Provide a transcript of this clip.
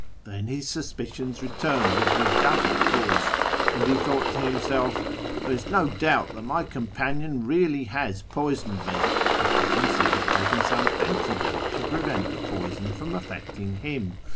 Then his suspicions returned with redoubled force, and he thought to himself, ' There is no doubt that my companion really has poisoned me, and has himself taken some antidote to prevent the poison from affect ing him.